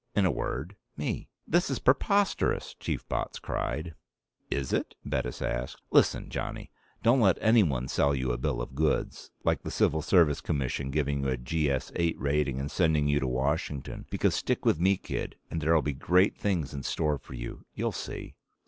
In a word, me." "This is preposterous!" Chief Botts cried. "Is it?" Bettis asked. "Listen, Johnny, don't let anyone sell you a bill of goods like the Civil Service Commission giving you a GS 8 rating and sending you to Washington. Because stick with me, kid, and there'll be great things in store for you, you'll see."